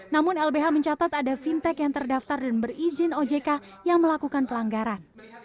namun lbh mencatat ada fintech yang terdaftar dan berizin ojk yang melakukan pelanggaran